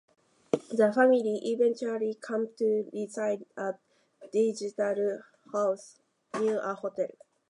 The family eventually came to reside at "Diglis House" - now a hotel.